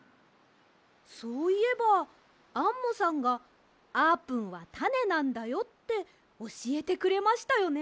そういえばアンモさんが「あーぷんはタネなんだよ」っておしえてくれましたよね。